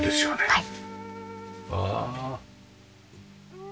はい。